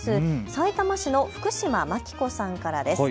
さいたま市の福島牧子さんからです。